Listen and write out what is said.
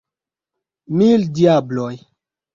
Mil diabloj!